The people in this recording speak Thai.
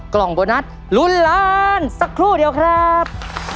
กล่องโบนัสลุ้นล้านสักครู่เดียวครับ